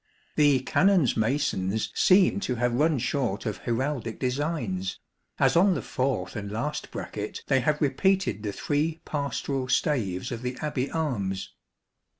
The Canons' masons seem to have run short of heraldic designs, as on the fourth and last bracket they have repeated the three pastoral staves ; of the Abbey arms.